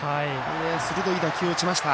鋭い打球を打ちました。